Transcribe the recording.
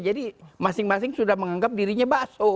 jadi masing masing sudah menganggap dirinya bakso